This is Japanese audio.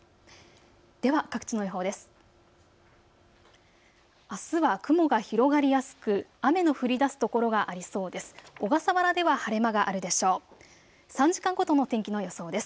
では各地の予報です。